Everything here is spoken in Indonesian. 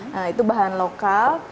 nah itu bahan lokal